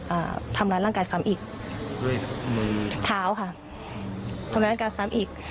อ่าทำร้ายร่างกายซ้ำอีกด้วยมือเท้าค่ะทำร้ายร่างกายซ้ำอีก